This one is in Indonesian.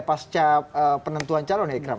pasca penentuan calon ya ikrab